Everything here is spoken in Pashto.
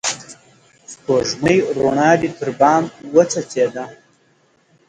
سپوږمۍ روڼا دي تر بام وڅڅيده